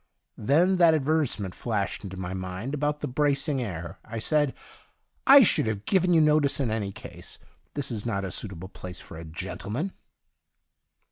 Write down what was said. Then that adver tisement flashed into my mind about the bracing air. I said :' I should have given you notice in any case ; this is not a suitable place for a gentleman.'